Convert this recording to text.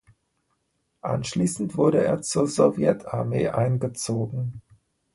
Anschließend wurde er zur Sowjetarmee eingezogen.